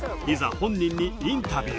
本人にインタビュー